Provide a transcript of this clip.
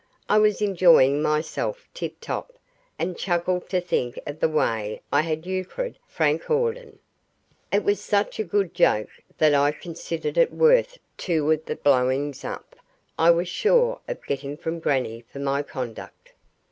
I was enjoying myself tip top, and chuckled to think of the way I had euchred Frank Hawden. It was such a good joke that I considered it worth two of the blowings up I was sure of getting from grannie for my conduct.